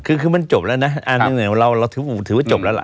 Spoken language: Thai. คือมันจบแล้วนะเราถือว่าจบแล้วล่ะ